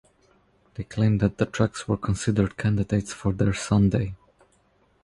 They claimed that the tracks were considered candidates for their Sunday!